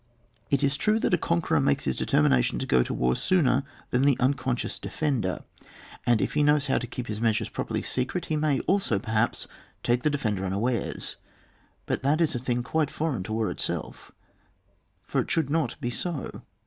It is true that a conqueror makes his determination to go to war sooner than the unconscious defender, and if he knows how to keep his measures properly secret, he may also perhaps take the defender un awares ; but that is a thing quite foreign to war itself, for it should not be so.